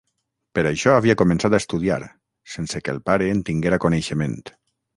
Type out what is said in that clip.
Per això havia començat a estudiar, sense que el pare en tinguera coneixement.